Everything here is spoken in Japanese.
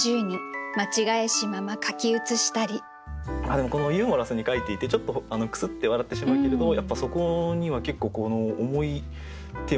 でもこのユーモラスに書いていてちょっとクスッて笑ってしまうけれどやっぱりそこには結構重いテーマもありますよね。